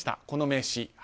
この名刺。